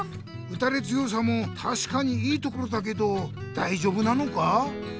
うたれ強さもたしかにいいところだけどだいじょうぶなのか？